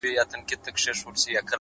د ژوند ښکلا په مانا کې ده،